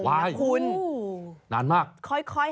แต่ว่าก่อนอื่นเราต้องปรุงรสให้เสร็จเรียบร้อย